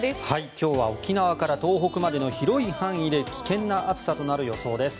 今日は沖縄から東北までの広い範囲で危険な暑さとなる予想です。